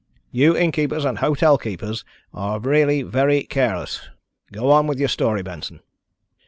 You innkeepers and hotel keepers are really very careless. Go on with your story, Benson."